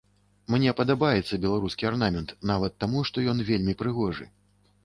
Мне падабаецца беларускі арнамент, нават таму што ён вельмі прыгожы.